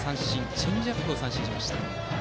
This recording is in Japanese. チェンジアップを三振しました。